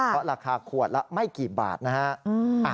เพราะราคาขวดละไม่กี่บาทนะฮะ